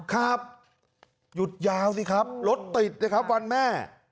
ครับหยุดยาวสิครับรถติดนะครับวันแม่